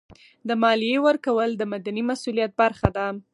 د مالیې ورکول د مدني مسؤلیت برخه ده.